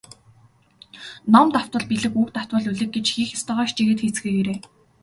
Ном давтвал билиг, үг давтвал улиг гэж хийх ёстойгоо хичээгээд хийцгээгээрэй.